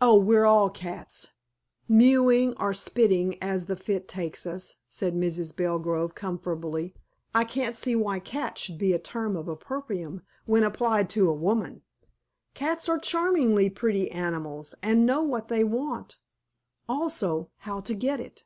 "Oh, we're all cats, mewing or spitting as the fit takes us," said Mrs. Belgrove comfortably. "I can't see why cat should be a term of opprobrium when applied to a woman. Cats are charmingly pretty animals, and know what they want, also how to get it.